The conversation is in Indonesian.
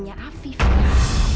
gue akan mengandung bayinya afif